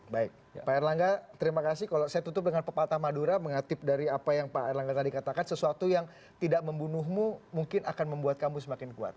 baik pak erlangga terima kasih kalau saya tutup dengan pepatah madura mengatip dari apa yang pak erlangga tadi katakan sesuatu yang tidak membunuhmu mungkin akan membuat kamu semakin kuat